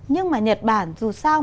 nhưng mà nhật bản dù sao